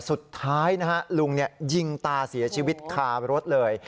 สุดท้ายนะฮะลุงยิงตาเสียชีวิตคารถเลย